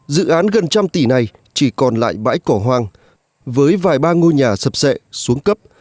dự án gần trăm tỷ này chỉ còn lại bãi cỏ hoang với vài ba ngôi nhà sập sệ xuống cấp